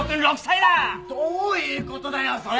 どういうことだよそれ！